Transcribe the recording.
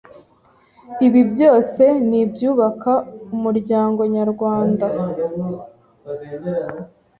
Ibi byose ni ibyubaka umuryango nyarwanda,